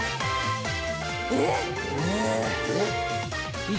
えっ？